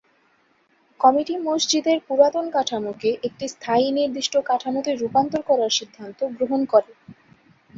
Committee মসজিদটির পুরাতন কাঠামোকে একটি স্থায়ী নির্দিষ্ট কাঠামোতে রূপান্তর করার সিদ্ধান্ত গ্রহণ করে।